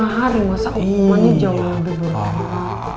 lima hari masa hukumannya jauh lebih buruk